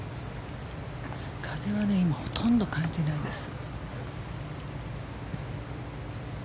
風は今、ほとんど感じないです。